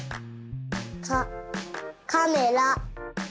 カカメラ。